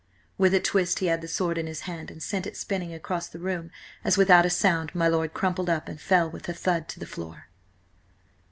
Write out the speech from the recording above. With a twist he had the sword in his hand and sent it spinning across the room as without a sound my lord crumpled up and fell with a thud to the floor.